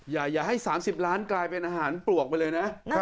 อย่าให้๓๐ล้านกลายเป็นอาหารปลวกไปเลยนะ